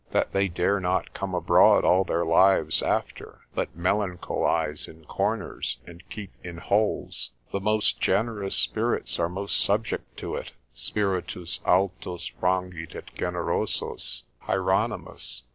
that they dare not come abroad all their lives after, but melancholise in corners, and keep in holes. The most generous spirits are most subject to it; Spiritus altos frangit et generosos: Hieronymus.